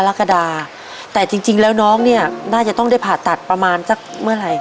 แล้วเสียหัวเมืองนี้น่าจะต้องได้ผ่าตัดประมาณจากเมื่อไหร่